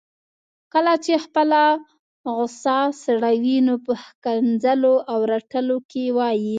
کله چي خپله غصه سړوي نو په ښکنځلو او رټلو کي وايي